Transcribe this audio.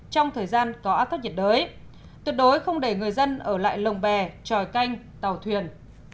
trong thời gian có áp thấp nhiệt đới tuyệt đối không để người dân ở lại lồng bè tròi canh tàu thuyền